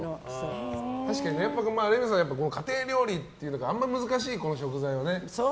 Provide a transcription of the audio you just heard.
レミさん、家庭料理というのであんまり難しい食材はね。